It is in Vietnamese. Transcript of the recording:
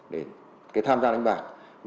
để tham gia đánh bạc